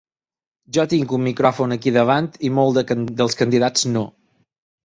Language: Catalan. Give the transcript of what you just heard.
Jo tinc un micròfon aquí davant i molts dels candidats no.